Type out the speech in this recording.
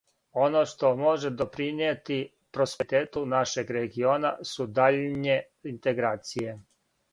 Оно што може допринијети просперитету нашег региона су даљње интеграције.